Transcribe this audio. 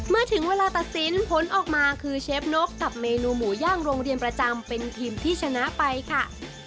เมื่อถึงเวลาตัดสินผลออกมาคือเชฟนกกับเมนูหมูย่างโรงเรียนประจำเป็นทีมที่ชนะไปค่ะ